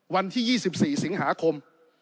วันที่๒๔สิงหาคม